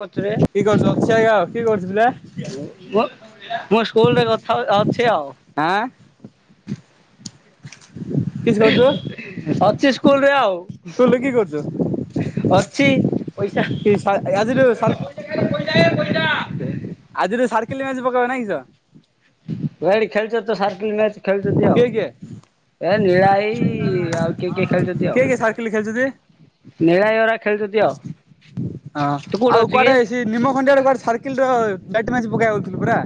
କତିରେ କି କରୁଚ ଅଛି ଆଜ୍ଞା କି କରୁଥିଲେ? ମୁଁ ମୁଁ ସ୍କୁଲ ରେ କଥା ହଉଚି ଅଛି ଆଉ। ଆଁ କିଛି କହୁଛ। ଅଛି ସ୍କୁଲ ରେ ଆଉ। ସ୍କୁଲ ରେ କି ଅଛି କରୁଛୁ? ପଇସା [unintelligible] ଆଜିରୁୁ ସାର୍କେଲ ମ୍ୟାଚ୍ ପକେଇବା ନାଇଁ କି ସାର୍। ବେଡି ଖେଳୁଚ ତ ସାରକିଲ୍ ମ୍ୟାଚ। ଖେଳୁଛନ୍ତି ଆଉ କିଏ କିଏ ଏ ନୀଳା ହେଇ ଆଉ କିଏ କିଏ ଖେଳୁଛନ୍ତି କିଏ ଆଉ। କିଏ ସାର୍କେଲ ଖେଳୁଛନ୍ତି? ନୀଳାହାଇ ଗରା ଖେଳୁଛନ୍ତି ଆଉ। ହଁ ତୁ କୋଉଠି ଆଉ ଅଛୁ କି? କୁଆଡେ ସେ ନିମ ଖଣ୍ଡଡିଆଡେ କୁଆଡେ ସାର୍କିଲ୍ ର ମେଣ୍ଟେନାନ୍ସ ପକେଇଆଇଥିଲୁ ପୁରା।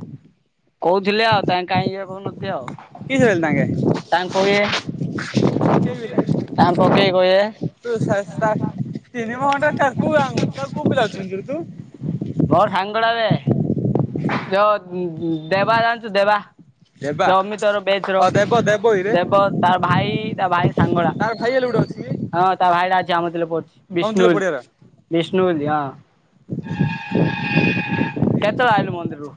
କହୁଥିଲେ ଆଉ ତାଙ୍କେ କାହିଁକି ଭଉନନ୍ତି କି ଖେଳିଲେ ତାଙ୍କେ ଆଉ। ତାଙ୍କୁ କହିଆ କେଇ ପିଲା ଆମେ ପକେଇକି କହିବା। [unintelligible] ମୋ ସାଙ୍ଗଟା ଦେ। ଯ ଦେବା ଜାଣିଚୁ ଦେବା। ଦେବା। ଯୋ ଏମିତିହର ବେଚ ର ଅ ଦେବ ଦେବ ଇରେ ଦେବ ତାର ଭାଇ ତା ଭାଇ ସାଙ୍ଗଟା ତାର ଭାଈ ହେଲେ ଗୋଟେ ଅଛି କି? ହଁ ତା ଭାଇ ରାଜା ଆମ ତିଲେ ପଡୁଚି ଅମତୁଲ ବିଷ୍ଣୁବୋଲି ପଡିଆର। ବିଷ୍ଣୁ ବୋଲି ହଁ। କେତଳ ଆଇଲୁ ମନ୍ଦିରରୁ?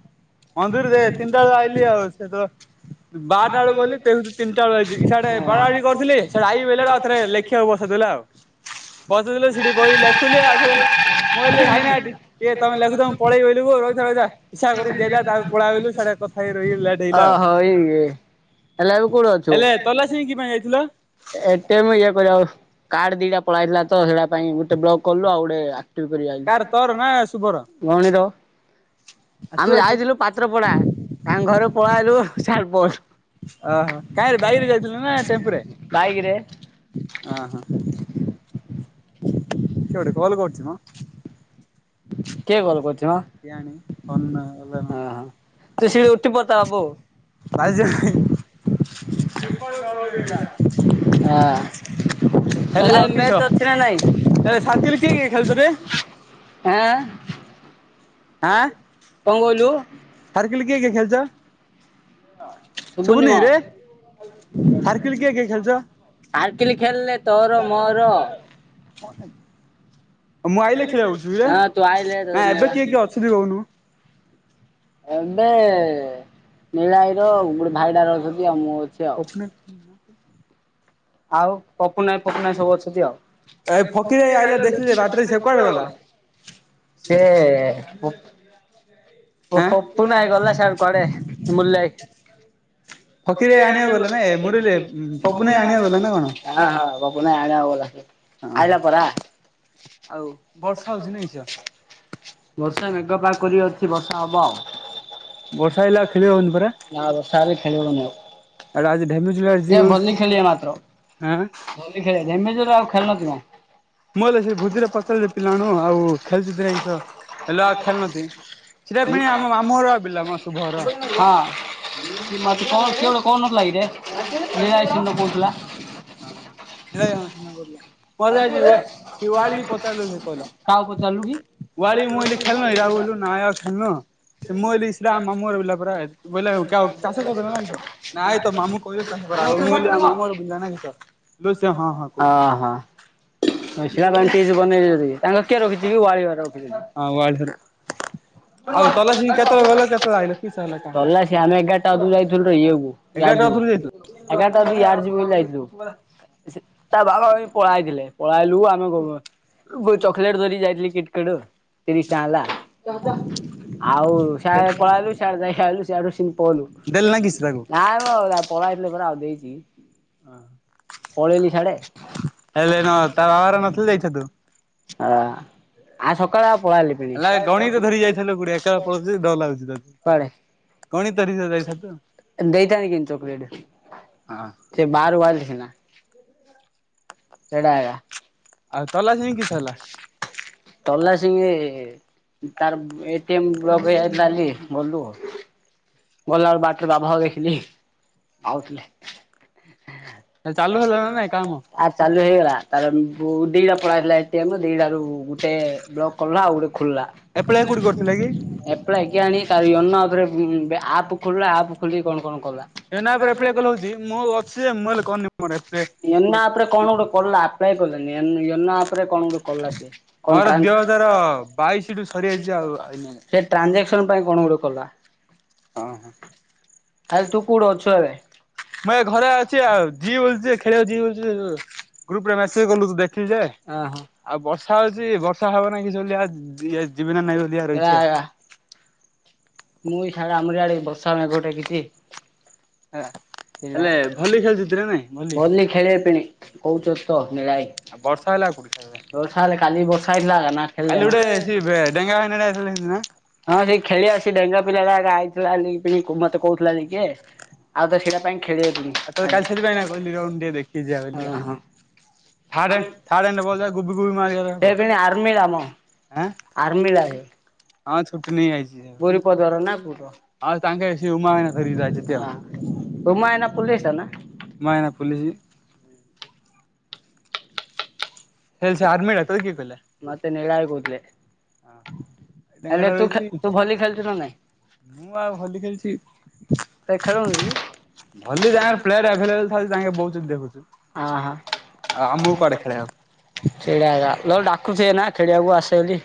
ମନ୍ଦିର ଯାଏ ତିନ ଟା ବେଳେ ଆଇଲି ଆଉ ସେତ ବାରଟା ବେଳକୁ ଗଲି ତେଲ୍ ତିନିଟା ବେଳକୁ ଆଇଚି ସିଆଡେ ବାଡା ବଡି କରିଥିଲି ସିଆଡେ ଆଇବି ବଲେଟା ଏଥିରେ ଲେଖିବାକୁ ବସେଇଦେଲେ ଆଉ। [inaudible] ବସେଇଦେଲେ ସେଠି ବଇକି ଲେଖୁଥିଲି ଆଉଥରେ ମୁଁ କହିଲି ଭାଇନା ଏଠି ଇଏ ତମେ ଲେଖୁ ଥା ମୁଁ ପଳେଇ ବୋଲିରୁ ରହିଥା ରହିଥା ହିସାବ କରି ଯେ ସେଟା ତା ପରେ ପଳେ ଆଇଲୁ ସିଆଡେ କଥା ହେଇକି ରହିଗଲି ଲେଟ୍ ହେଇଗଲା ଆଉ। ଓହୋ ଇଏ ହେଲେ ଏବେ କୋଉଠି ଅଛୁ? ହେଲେ ତଲା ସି କି ପାଇଁ ଯାଇଥିଲ? ଏଟିଏମ୍ ଇଏ କରିବାକୁ କାର୍ଡ ଦିଟା ପଳେଇଆଥିଲାତ ସେଇଟା ପାଇଁ ଗୋଟେ ବ୍ଲକ କଲୁ ଆଉ ଗୋଟେ ଆ କ୍ଟିଭି କରି କାର ତୋର ନା ଶୁଭର? ଯାଇଥିଲୁ ଭଉଣୀ ର ଆ ତୁ ଆମେ ଏଠି ଯାଇଥିଲୁ ପା ପତ୍ର ପଡ଼ା ତାଙ୍କ ଘରୁ ପଳେଇଆଇଲୁ ସିଆଡେ ବସ୍‌ ଓ ହୋ କାହିଁରେ ବାଇକ୍ ରେ ଯାଇଥିଲୁ ନା ଟେମ୍ପୁରେ ବାଇକ ରେ ଅ ହ। କିଏ ଗୋଟେ କଲ କରୁଚି ମ। କିଏ କଲ କରୁଚି ମ? କେଆଣି ଫୋନ ଏବେ ତ ସେ ଉଟି ପତା ଅଗୁକୁ। ଭାଈ ସିଏ ହେଲେ ଆଉ କିସ ହଁ ହେଲେ ଶାନ୍ତି ହେଲେ ରେ ମ୍ୟାଚ୍ ଅଛି ନା କିଏ ନାଇଁ? କିଏ ଖେଳୁଚ ରେ। ଆଁ? ଆଁ? କଣ କହିଲୁ? ସାର୍କିଲି କିଏ କେଏ ଖେଳୁଚ ଶୁବୁନି କିରେ? ସାର୍କିଲି ଖେଳଲେ ତୋର ମୋର। ମୁଁ ଆଇଲେ ଖଳୁଥୁବେ ହଁ ତୁ ଆଇଲେ ଆଁ ଏବେ କିଏ କିଏ ଅଛନ୍ତି କୋହୁନୁ? ଆ ଏବେ ନୀଳା ଭାଇର ଗୋଟେ ଭାଇଟାର ଅଛନ୍ତି ଆଉ ମୁଁ ଅଛି ଆଉ। ପଛନେ ଆଉ ପପୁନା ଆଇ ପପୁନା ଆଇ ସବୁ ଅଛନ୍ତି ଆଉ। ଏ ଫକିର ଭାଇ ଆଇଲା ଦେଖିଲି ବାଟରେ ସେ କୁଆଡେ ଗଲା? ସିଏ ପ ଓ ଆଁ ପପୁନା ଆଇ ଗଲା ସିଆଡେ କୁଆଡେ ବୁଲାଇ। ଫକିର ଭାଇ ପକେଇ ଗଲା ଆଣିବାକୁ ନା ଏ ଗଲାନି ମୁରଲି [unintelligible] ପପୁନ ଭାଇ ପପୁନା ଆଇ ଆଣିବାକୁ ଆଣିବା ନା ଗଲା କଣ? ନ ପୁନା ଆଣିବାକୁ ଗଲା ସିଏ। ଅହଁ ଆଉ ବର୍ଷା ହୋଉଚି ନାଇଁ ସିଅ ବର୍ଷା ମେଘ ପା କରିଅଛି ବର୍ଷା ହବ ଆଉ। ବର୍ଷା ହେଲେ ଆଉ ଖେଳି ହଉନି ପରା। ନା ବର୍ଷା ହେଲେ ଖେଳିହବନି ଆଉ। ଏଟା ଆଜି ଢେମୁଜୁଲାର ଯେ ଯିଉ ଆଁ? ହୋଲି ଖେଳେ ଜେମେଜର ଆଉ ଖେଳନଥିଲା। ମୁଁ ହେଲେ ସେ ଭୋଜିରେ ପଚାରିଲି ପିଲାମାନଙ୍କୁ ଆଉ ଖେଳ ଚୁଟିରେ ଇଁସ ହେଲା ଆଉ ଖେଳନତି। ସେଟା ପେଣି ଆମ ମାମୁଁଘର ବିଲା ମ ଶୁଭହର। ହଁ ସି ମତେ କଣ ସିଏ ଗୋଟେ କୋହୁନଥିଲା କିରେ [unintelligible] କୋହୁଥିଲା। ଅ ହଁ ନିଳ ଆଇ ହଁ ସେଦିନ କୋହୁଥୁଲା। ସେ କହିଲା କାହାକୁ ପଚାରିଲୁ କି? ୱାଳି ମୁଁ ଅଇଲି ଖେଳନ କିରେ ଆଉ ଅଇଲୁ ନାଇ ଆଉ ଖେଳୁନୁ। ସେ ମୁଁ କଇଲିି ସେଟା ଆମ ମାମୁଁଘର ବିଲା ପରା ଏ ବୋଇଲେ କ୍ୟାଓ ଚାଷ [unintelligible] ନା କିସ ନାଇ ତୋ ମାମୁଁ କହିଲେ ଚାଷ କରାହବ ମୁଁ କଇଲି ଆମ ମାମୁଁଘର ବିଲ ନା କିସ ଲେ ସେ ହଁ ହଁ କୋହୁଥିଲା। ହଁ। ହଁ ଏଇ ଶିଳା ଗଣତି ହେଇଚି ବନେଇଲେ ଯିଏ ତାଙ୍କ କିଏ ରଖିିଚିକି ୱାଳିଅର ହଁ ୱାଳ ହର ତଲା ସିଏ ଆଇଲ କିସ ହେଲା କାହାକୁ? ଆମେ ଏଗାରଟା ଓପକୁ ଯାଇଥିଲୁ ତ ଇଏକୁ ଏଗାରଟାଥରୁ ଯାଇଥିଲ୍ ! ! ! ! ! ! ! ! ! ! ପଳାଇଥିଲେ ପଳେଇଲୁ ଆମେ ଗ ଚକଲେଟ ଧରିକି ଯାଇଥିଲି କିଟ କାଟ୍। ତରିଶଟଙ୍କା ହେଲା। ଆଉ ସିଆଏ ପଳେଇଲୁ ସଆଏ ଦେଖଲା ବେଳୁ ସଆଡୁ ସିମପଲୁ ଦେଲେ ନା କିସ ତାକୁ? ନା ଅ ରା ପଳାଇଥିଲେ ପରା ଆଉ ଦେଇଚି ପଳେଇଲି ସ୍ୟାଡେ। ହେଲେ ନ ତା ବାହାଘର ନଥିଲେ ଯାଇଥାତୁ। ଅ ଆଉ ସକାଳେ ଆଉ ପଳାଇଲି। ନାଇ ଗଣିତ ଧରିକି ଯାଇଥାନ୍ତୁ ଗୁଡେ ଏକା ପଲେ ଡରଲାଗୁଚି ତତେ। କୁଆଡେ ଗଣିତ ଧରି ଯାଇଥାନ୍ତୁ ଦେଇଥାନ୍ତି କିନ୍ତୁ ଚକଲେଟ୍। ହଁ ସେଇ ବାର ୱାଚ ସିନା। କେଟା ଆୟା ଆଉ ତଲା ସିମି କିସ ହେଲା? ତଲା ସିଙ୍ଗି ତାର ଏ ଟି ଏମ ବ୍ଲକ ହେଇଯାଇଥିଲା ବୋଲୁ ଗଲୁ। ଗଲାଏକୁ ବାଟରେ ବାଘ ଫାଘ ଦେଖିଲି ଆଉଥୁଲେ। ଚାଲୁ ହେଲା ନା ନାଇଁ କାମ ତାର୍ ଚାଲୁ ହେଇଗଲା ତାର ବୋଉ ଦିଇଟା ପଳାହେଇଥିଲା ଏ ଟି ଏମରୁ ଦିଇଟାରୁ ଗୋଟେ ବ୍ଲକ୍ କଲା ଆଉ ଗୋଟେ ଖୋଲଲା। ଏପ୍ଲାଏ କୋଉଠି କରିଥିଲା କି? ଏ ଏଳା କିଆଣି ତା ରିଅନ୍ ନା ଆଉଥରେ ଉଁ ବେ ଆପ୍ ଖୋଲିଲା ଆପ ଖୋଲିକି କଣ କଣ କଲା। ଏବେ ନା ପରେ ଆପଲାଇ କଲେ ହୋଉଚି ମୋ ଅଛି ଯେ ମୁଁ ହେଲେ କରନି ମୋର ଆପଲାଏ। ୟନାପରେ କଣ ଗୋଟେ କିଲ ଆପ୍ଲାଏ କଲାନିନା ୟନା ଆପ [unintelligible] କଣ ଗୋଟେ କଲାସେ ମୋର ଦି ହଜାର ବାଇଶି ଠୁ ସରିଯାଇଛି ଆଉ [unintelligible] ଆଇନି ସେ ଟ୍ରାଞଜାକ୍ସନ ପାଇଁ କଣ ଗୁଡେ କଲା। ହଁ, ହଁ। ଆାଲେ ତୁ କୋଉଠୁ ଅଛୁ ଏବେ? ମୁଁ ଏ ଘରେ ଅଛି ଆଉ, ଯିଏ ବ ଖେଳିବାକୁ ଯିଏ ବ ଗ୍ରୁପ୍ ରେ ମସେଜ କଲୁ ଠିକ ଯେ ଅହଁ। ଆଉ ବର୍ଷା ହଉଛି, ବର୍ଷା ହବ ନାାଇଁ କିଆ ଯିବ ନା ନାଇଁ [unintelligible] ରହିଛି ମୁଁଇ [unintelligible] ଆମରି ଆଡେ ବର୍ଷା ଆେ ଗୋଟେ କିଛି ହେଲା ଥିଲା ହେଲେ ଭଲି ଖେଳୁଛନ୍ତି ନା ନାଇଁ ଭଲି ଖେଳିବା ପିଣି। କହୁଛ ତ ହିଳାଇ। ଆଉ ବର୍ଷା ହେଲା ଆଉ କୋଉଠି ଖେଳ ବର୍ଷା ହେଲେ କାଲି ବର୍ଷା ହେଇଥିଲା ନା କାଲି ଖେଳିଲେ ନା ଗୋଟେ ସେ ଡେଙ୍ଗା ଭାଇ [unintelligible] ହଁ ସେଇ ଖେଳି ଆସି ଡେଙ୍ଗା ପିଲାଟା ଆଇଥିଲା ପା ମତେ କହୁଥିଲା କିଏ। ଆଉ ତ ସେଇଟା ପାଇଁ ଖେଳି [unintelligible] ଆଉ ତ କାଲି ସେଥିପାଇଁ କହିଲି ବୋଉ କୁ ଦେଖିକି ଯିବା ପାଇଁ ବୋଲି ହଁ ରେ ସାର୍ ଏଇନା କହୁଥିଲା ବୁବୁ କୁ ମାରିବା ପାଇଁ [unintelligible] ଆରମ୍ଭିଲା ରେ ହଁ ଛୁଟି ନେଇ ଆଇଛି ନା କୋଉଠର। ହଁ ହଁ [unintelligible] ତୁମ ମା ୟେନା ଫୁଲେଇସନା ମା ଏଇନା ଫୁଲିଇସି ହେ ସେ ଆର୍ମି ଟା ତତେ କିଏ କହିଲା? ମତେ ନିଳା ଭାଇ କହୁଥିଲେ। ଡେଙ୍ଗାରେ ହେଲେ ତୁ ରହିଛି ଖେ ତୁ ଭଲି ଖେଳୁଛୁ ନା ନାଇଁ ମୁଁ ଆଉ ଭଲି ଖେଳିଛି। ତ ଖେଳୁନୁ କି? ଭଲି ଯାହା ହଉ ପ୍ଲେୟାର ଆଭେଲେବଲ୍ ଥାଉ ତାଙ୍କେ ବହୁ [unintelligible] ହଁ ହଁ ଆଉ ଆମକୁ କୁଆଡେ ଖେଳେଇବ ସେଇଟା ଏକା ନ ହେଲେ ଡାକୁଥିବେନା ଖେଳିଆକୁ ଆସିବାକୁ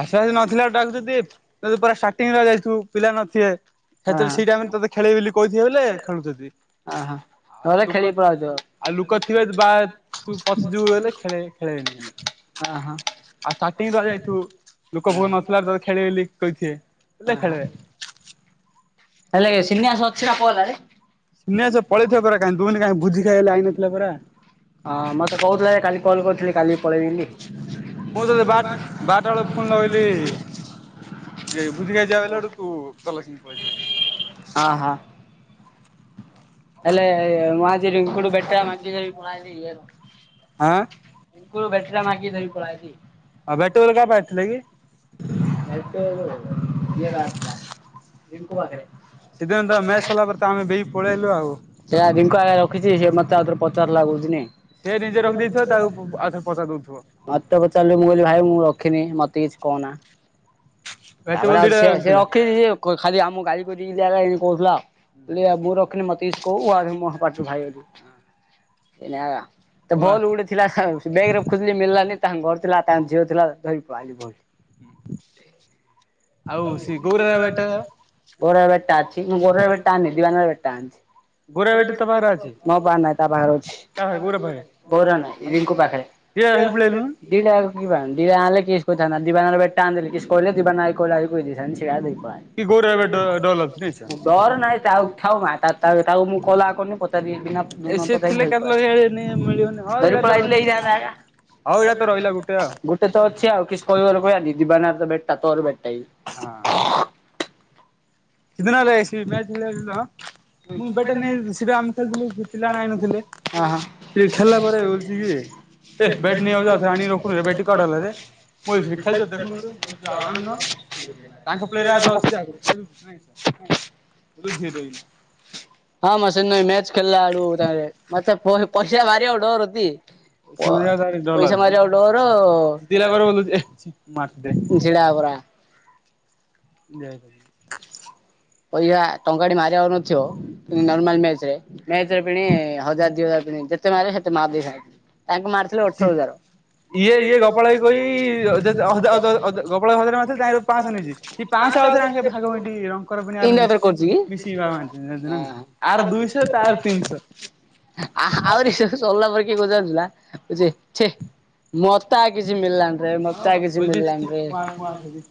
ଆସେ ଆସି ନଥିଲା ଡାକୁ ଯଦି ଯଦି ପୁରା ଷ୍ଟାଟିଙ୍ଗ୍ ରୁ ଯାଇଥିବୁ ପିଲା ନଥିବେ। ସେତେବେଳେ ସେଇ ଟାଇମରେ ତୋତେ ହୁଁ ଖେଳେଇବି ବୋଲି କହିଥିବେ ବୋଲେ ହୁଁ ଖେଳୁଛନ୍ତି ହୁଁ। ଆଉ ଲୁକୋ ଆଉ ଲୁକୋ ଥିବେ ବା ତୁ ପସିଯିବୁ ହେଲେ ଖେଳେ ଖେଳିବନି ବୋଲି ହଁ ହଁ। ଆଉ ଷ୍ଟାଟିଙ୍ଗ୍ ରୁ ଯାଇଥିବୁ ଲୁକୋ ଫୁକ ବହୁତ ନଥିଲା ରୁ ଖେଳଉଥିବେ କହୁଥିବେ ହେଲେ ସିନ୍ୟାସ ଅଛିି ପହଲାରେ ସିନି ଭାଇ ପଳେଇଥିବ ପୁରା [unintelligible] ହଁ ମତେ କହୁଥିଲା ଯେ କାଲି କଲ୍ କରୁଥିଲା କାଲି ପଳେଇବି ମୁଁ ତେ ବାଟ ବାରଟା ବେଳକୁ ଫୁନ୍ ଲଗେଇଲି [unintelligible] ହଁ ହଁ। ହେଲେ ମୁଁ ଆଜି ରିଙ୍କୁଡ ବେଟା ମାଝି ସାହିକୁ ପଲେଇଆଇଲି। ଆଁ [unintelligible] ବେଟା ଟା ଧରି ମାଗି ପଲେଇଆଇଲି ଆଉ ଭେଟୁଲ ହେରିକା କଣ ପାଇଁ ଆଇଥିଲେ କି? [unintelligible] ସିଦ୍ଧାନ୍ତ ମେସ୍ସ୍ ହେଲା ପରେ ତ ଆମେ ବି ପଳେଇଆଇଲୁ ଆଉ ସେଇଆ ଭିଙ୍କୁ ଭାଇ ରଖିଛିି ସେ ମତେ ଆଉଥରେ ପଚାରିଲା କହୁଛନି। ସେ ନିଜେ ରଖିଦେଇଥିବ ତାକୁ ଆ ଥରେ ପଚାରିଦଉଥିବ। ମତେ ପଚାରିଲେ ମୁଁ କହିଲି ଭାଇ ମୁଁ ରଖିନି ମତେ କିଛି କହନା। ବ୍ୟାଟବଲ ତାପରେ ଆଉ ଦିଟା ସେ ସେ ରଖିଥିଲା। ରଖିସି ସେ ଖାଲି ଆମ କୁ ଗାଲିକରୁଥିଲା ଆଗମ କୁ କହୁଥିଲା। ମତେ କିଛି କହୁ ଏଆଡେ ମୋ ପାଟିରୁ ବାହାରି ଗଲା ତ ୱା ବଳ ଗୁଟେ ଥିଲା ବେଗେ ରେ ଖୁଜିଲି ମିଳିଲାନି ତାଙ୍କ ଘରେ ଥିଲା ତାଙ୍କ ଝିଅ ଥିଲା ଧରିକି ପଲେଇ ଆଇଲି [unintelligible] ଆଉ ସେ ଗୌରାର [unintelligible] ଗୌରା [unintelligible] ଗୌରା ବ୍ୟାଟ ତୋ ପାଖରେ ଅଛି ମୋ ପାଖରେ ନାଇଁ ତାପାଖରେ ଅଛି। କା ପାଖରେ ଗୌରା ପାଖରେ ଗୌରାର ନାଇଁ ରିଙ୍କୁ କିଏ ପାଖରେ। ଧରି ପଳେଇ ଆଇଲୁଣୁ [unintelligible] [unintelligible] କି ଗୌରା ବେଡ [unintelligible] ଡର ନାଇଁ ତାଉ ଥାଉ ମା ତାଉ ମୁଁ କଲା କରି ପଚାରି ବିନା ତୁ ଏ ନ ସେ ପଚାରି ଥିଲେ ଧରି କାଲି ପଳାଇ ମିଳିବନି ହଁ ଧରି ଏଇଟା ତ ରହି ପଳାଇଆଇଲେ ହେଇଥାନ୍ତା ଏଇନା ହଉ ଏଇଟା ତ ରହିଲା ଗୋଟେ ଆଉ ଗୁଟେ ତ ଅଛି ଆଉ କିସି କହିବାର କହିବା ଯିବାନାର ତ ବେଟା ତୋର ବେଟା ଏ ହଁ। [unintelligible] [unintelligible] ଅ ହଁ ସେ ବେଟ ନେଇଜାଉଚୁ ଆଣିକି ରଖୁନୁରେ ବେଟଟି କୁଆଡେ ଗଲାରେ। [unintelligible] ହ [unintelligible] ହ ହଁ ମ ସେମି ମ୍ୟାଚ ଖେଲଲା ବେଳକୁ ମତେ ପସିଆ ଭାରି ଡରୁଚି। ପଇସା ମାରିବାକୁ [unintelligible] ମାର। [unintelligible] [unintelligible] ପଇସା ଟଙ୍କାଟେ ମାରିବା [unintelligible] [unintelligible] ନର୍ମାଲ ମ୍ୟାଚରେ ମ୍ୟାଚରେ ପୁଣି ହଜାର ଦିହଜାର [unintelligible] ତାଙ୍କୁ ମାରଥିଲେ ଛି। ଅଠରଜାର। ଇଏ ଇଏ ଗପାଳ କହି ଗୋପଳ ହଜାରେ [unintelligible] ପାଞ୍ଚଶହ ନେଇଚି। ପାଁଶହ ଆଉ ଥରେ ଆଣିକି ଭାଗ ବାଣ୍ଟି ରଙ୍କର [unintelligible] ପୁନିଆର ଆର ମିଶି ମିଶିକି ଦୁଇଶହ ଭାଗ ତାର ବାଣ୍ଟିଛନ୍ତି ଜାଣିଚୁ ନା ନାଇଁ ଆର ତାର ଦୁଇଶହ ତିନିଶହ। [inaudible] ଆ ଆଉରି ସରିଲା ପରେ କିଏ ପଚାରୁଥିଲା ଯେ ଛେ ମତେ ଆ କିଛି ମିଳିଲାନି ରେ ହଁ ମତେ ଆ କିଛି ବୁଝିଛି ମଳିଲାନରେ। ମୁଁ ମୁଁ ଆର ଦେବି।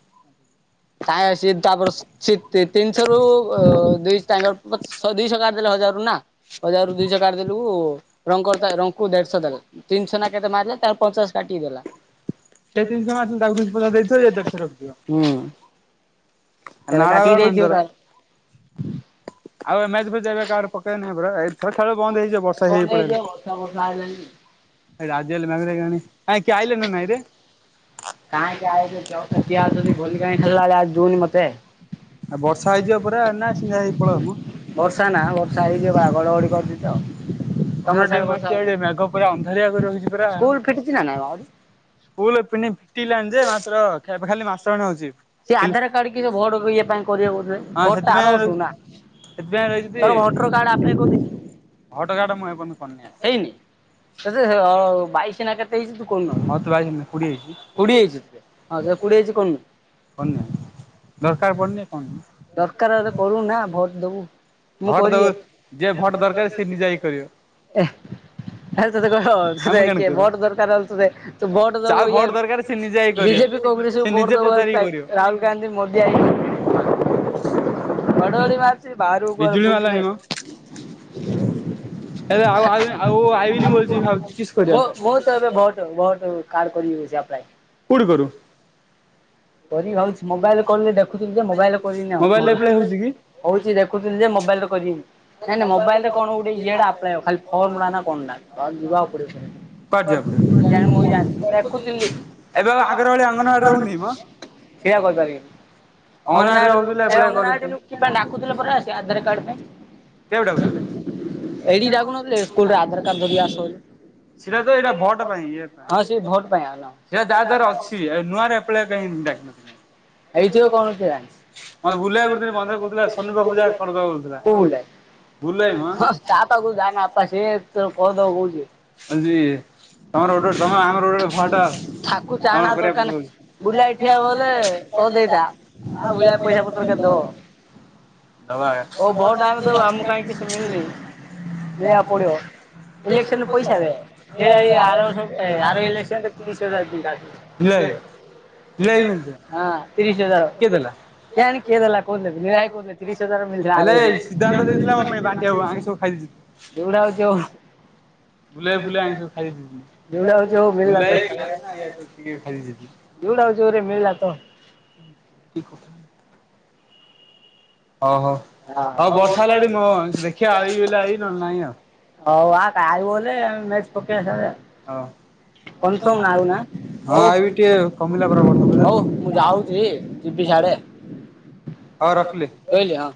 ସାଏଁ ସିଏ ତାପର ସି ସିଏ ତି ତିନିଶରୁ ଅ ଦୁଇ ତାଙ୍କର ବ୍ ଶ ଦୁଇଶହ କାଟି ଦେଲେ ହଜାରରୁ ନା। ହଜାର ରୁ ଦୁଇଶହ କାଢି ଦେଲୁ ରଙ୍ଗର ର ତା ଦେଢଶହ ଦେଲା ତିନିଶହ ନା କେତେ ମାରିଲେ ତାର ପଚାଶ କାଟିକି ଦଲା ସେ ତିନିଶହ ମାରିଥିଲେ ତାକୁ ଦୁଇଶହ ପଚାଶ ଦେଇଥିବ ଇଏ ଦେଢ଼ଶହ ରଖିଥିବ। ହୁଁ। କେବେ କାଟିକି ନାଳଗ ଦେଇଥିବ ମେନ୍ଳର ତାର ଆଉ ଏ ମେଜ ଫେର୍ କାଡ ପକେଇନି ପରା। ଖେଳ ଖେଳ ବନ୍ଦ ହେଇଯିବ ବର୍ଷା ବନ୍ଦ ହେଇ ପଳେଇ। ହେଇଯିବ ଲେ ବର୍ଷା ବର୍ଷା ଆଇଲାଣି। ଏଇ ରାଜ୍ୟଲେ ମ୍ୟାଚ ରେ କେୟାଣି ଆ କିଏ ଆଇଲ ନା ନାଇଁରେ। କାଇଁ କେ ଆଇଚି [unintelligible] କିଏ ଆସୁଚି ଭଲି କାଇଁ ଖେଳିଲା ଭଳିଆ ଜୁଉନି ମତେ। ଆଉ ବର୍ଷା ହେଇଯିବ ପୁରା ନା ସିନ୍ଧା ହେଇ ପଳେଇବ ମ। ବର୍ଷା ନା ବର୍ଷା ହେଇଯିବ ବା ଗଡ଼ଗଡ଼ି କରୁଚି ତ। ଘଡ଼ ଘଡ଼ି ତମର ଟେ ସାଡେ ବର୍ଷା ମାରୁଚି ହଉନି ଆଟେ ମେଘ ପୁରା ଅନ୍ଧାରଆ କରି ରଖଚି ପରା। ସ୍କୁଲ ଫିଟିଛି ନା ନାଇଁ ଆହୁରି? ସ୍କୁଲ ପିନି ଫିଟିଲାଣି ଯେ ମାସର ଖିଆ ପି ଖାଲି ମାସଣ ହଉଚି। ସିଏ ଆଧାର କାର୍ଡ କି ସେ ଭୋଟ ଇଏ ପାଇଁ କରିବ ବଧେ ହଁ ଭୋଟ ଟା ସେଥିପାଇଁ ଆର ବରଷୁ ରହି କୁ ନା। ସେଥିପାଇଁ ତୋର ଭୋଟର କାର୍ଡ ଆପ୍ଲାଏ କରି ଦେଇଚୁ। ଭୋଟ କାର୍ଡ ମୁ ଏପନ୍ତ କରିନି ହା। [unintelligible] ବାଇଶ ନା କେ ତେଇସି ତୁ କରୁନୁ ଆବେ ହଁ ତୁ ଭାଇ କୋଡିଏ ହେଇଛି। କୋଡିଏ ହେଇଚି ହଁ କୋଡିଏ ହେଇଚି କରିନୁ। କରିନେଇ ଦରକାର ପଡ଼ନି କରିନେଇ। ଦରକାର କରୁନା ଭୋଟ ଦବୁ ମୁଁ ଭୋଟ କରି ଦଉ ଯିଏ ଭୋଟ ଦରକାର ସେ ନିଜେ ହେଇ କରିବ। ଏ ଆ ତେତେ କହିବ ତତେ ଆମେ କାଣ କିଏ କରୁ ବଟ ଦରକାର ହେଲେ ତତେ ତୁ ବଟ ଦେବୁ ଯାହାକୁ ଇଏ ଭୋଟ ଦରକାର ସେ ନିଜେ ହେଇ କରିବ ବିଜେପି କଂଗ୍ରେସ କୁ ସେ ଭୋଟ ନିଜେ ଦବା ପଚାରିକି କରିବ। [unintelligible] ରାହୁଲ ଗାନ୍ଧୀ ମୋଦି ଆଇ ଘଡ଼ଘଡ଼ି ମାର ବିଜୁଳି ମାରିଲାଣି ମ। ଏରେ ଆଉ ଆ ଆଉ ଆଇବିନି ବୋଲିଛି ଭାବୁଛି କିସ୍ ମୁଁ କରିବା। ମୁଁ ତ ଏବେ ଭ ଭୋଟ କାର୍ଡ଼ କରିବି [unintelligible] ଆପ୍ଲାଏ। କୋଉଠି କରିବୁ। କରି ହଉଛି ମୋବାଇଲରେ କରିଲେ ଦେଖ ଦେଖୁଥିଲୁ ଯେ ମୋବାଇଲରେ କରିବିନି ଆଉ ମୋବାଇଲରେ ଆପ୍ଲାଏ ହଉଛି କି? ହଉଛି ଦେଖୁଥିଲି ଯେ ମୋବାଇଲରେ କରିବିନି। ନାଇ ନାଇ ମୋବାଇଲରେ କଣ ଗୋଟେ ଇଏଟା ଆପ୍ଲାଏ ହବ ଖାଲି ଫର୍ମ ଟାନା କଣ ଟା ଯିବାକୁ ପଡିବ। କୁଆଡେ ଯିବାକୁ ପଡିବ ଜାଣି ମୁବି ଯାନିନି ମୁଁ ଦେଖୁଥିଲି ଏବେ ଆଉ ଆଗର ଭଳି ଅଙ୍ଗନବାଡିରେ ହଉନି ମ ସେଇଆ କରିପାରିବି। ଅଙ୍ଗନବାଡିରେ ଅଙ୍ଗନାଆଡିରୁ ହଉଥିଲେ ଆପ୍ଲାଏ କରୁଛେ। ଅଙ୍ଗନାଆଡିରୁ କି ପାଇଁ ଡାକୁଥିଲେ ପରା ସେ ଆଧାର କାର୍ଡ ପାଇଁ। କେଆକୁ ଡାକୁୁଥିଲେ? ଏଇଠି ଡାକୁନଥିଲେ ସ୍କୁଲରେ ଆଧାର କାର୍ଡ ଧରିକି ଆସ ବୋଲି ସେଟା ତ ଏଇଟା ଭଟ ପାଇଁ ଇଏଟା ହଁ ସେ ଭୋଟ ପାଇଁ ଆଉ ନା ସେଟା ଯାହା ଦେହରେ ଅଛି ନୂଆରେ କୋଲିଆ ପାଇଁ ଡାକିନଥିଲେ। ଏଇଥିବ କଣ କିଏ ଜାଣିଛି ମ ବୁଲିଆ କରୁଥିଲି ବନ୍ଧରେ କୁହୁଥିଲା ସୋନି ପାଖକୁ ଯା କରିଦବ କହୁଥିଲା। ବୁଲୁ ଭାଇ ମ। ତାପାକୁ ଯାଆନା ଆପ ସେ ତ କରିଦବ କଉଛି। ଆଜି ତମର ଗୋଟେ ଗୋଟେ ତାକୁ ଦମ୍ ଚାହାଣା ଦୋକାନ ଆମର ବୁଲାଇ ଗୋଟେ ଠିଆ ହବ ବୋଲେ ଗୋଟେ କହିଦେଇଥା। ଫଟ ତମର ଆଉ ବୁଲାଇ ପଇସା କରିବା ପତ୍ର କେତେ ଦବ? ହଁ ସେଇଟା ଆ ଓ ଭୋଟ ବୁଲା ଆମେ ଦବୁ ଆମକୁ କାହିଁ ପଇସା କିଛି ମିଳୁନି। ପତର କିଛି ମିଳିବାକୁ ଦବ। ପଡିବ। ଦବା ଇଲେକ୍ସନ [unintelligible] ପଇସା ବେ ଏଇ ଆର ବର୍ଷ ଏ ଆର ଇଲେକ୍ସନରେ ତିରିଶ ହଜାର ଦେଇଥିଲା। [unintelligible] ଠିଆ ହେଇ ମିଳିଥିଲା? ହଁ ତିରିଶ କିଏ ହଜାର। ଦେଲା କେଜାଣି କିଏ ଦେଲା କହୁଥିଲେ ନୀଳା ଭାଈ କହୁଥିଲେ ତିରିଶ ହଜାର ମିଲିଥିଲା ହେଲେ ଆର ସିଦ୍ଧାନ୍ତ ଦେଇଥିଲା ମୋ ପାଇଁ ବାଣ୍ଟି ହବ ଆଣି ସବୁ ଖାଇଦେଇଛି ସେଗୁଡା ହଉଛି [unintelligible] ବୁଲୁ ଭାଇ ଫୁଲୁ ଭାଇ ଆମେ ଯୋଉଟା ହଉଛି ସବୁ ହଉ ଖାଇଦେଇଥିଲୁ ମିଳିଲା ତ। [unintelligible] ବୁଲୁ ଭାଈ କାଳିଆ ଭାଇନା [unintelligible] ଦଉଡ଼ାଉ ଯୋରେ ମିଳିଲା ତ। କି କଥା ହଉ ହଉ ବର୍ଷା ହେଲାଣି ମ ଦେଖିବା ଆଇବି ବୋଲେ ଆଇବି ନହେଲେ ନାହିଁ ଆଉ [unintelligible] ହଉ ଆ କାଇ ବୋଲେ ମ୍ୟାଚ୍ ପକେଇବା ସିଆଡେ ହଉ। ଆଉ। କନଫର୍ମ ନାଉ ନା ହଁ ଆଇବି ଟିକେ କମିଲା ପରା ହଉ ବର୍ଷା ହଉ ମୁଁ ଯାଉଛି ଯିବି ଫର୍ଷା। ସାଡେ। ହୋଉ ରଖିଲି। ରହିଲି ହଁ।